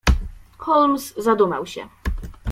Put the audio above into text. "Holmes zadumał się."